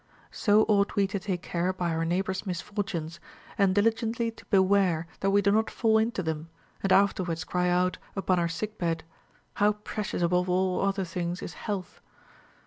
— so ought we to take care by our neighbor's misfortunes, and diligently to beware that we do not fall into them, and afterwards cry out upon our sick bed. How precious above all other things is health